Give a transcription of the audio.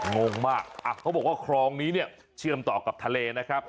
งงมากเขาบอกว่าคลองนี้เนี่ยเชื่อมต่อกับทะเลนะครับ